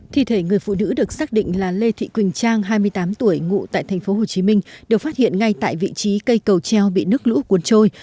thi thể người phụ nữ được xác định là lê thị quỳnh trang hai mươi tám tuổi ngụ tại tp hcm được phát hiện ngay tại vị trí cây cầu treo bị nước lũ cuốn trôi